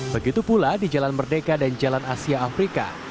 begitu pula di jalan merdeka dan jalan asia afrika